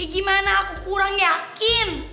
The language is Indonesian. gimana aku kurang yakin